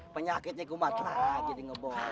penyakitnya kumat lagi nih ngebonnya